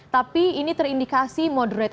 tapi ini terindikasi moderate